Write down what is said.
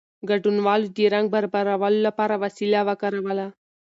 ګډونوالو د رنګ برابرولو لپاره وسیله وکاروله.